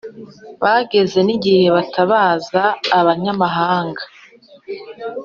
bageza n’igihe batabaza abanyamahanga.